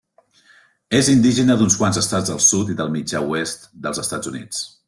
És indígena d'uns quants estats del sud i del mitjà oest dels Estats Units.